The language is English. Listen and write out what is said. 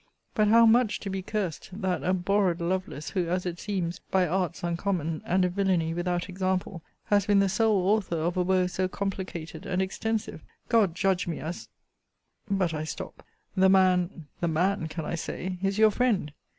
But how much to be cursed that abhorred Lovelace, who, as it seems, by arts uncommon, and a villany without example, has been the sole author of a woe so complicated and extensive! God judge me, as But I stop the man (the man can I say?) is your friend!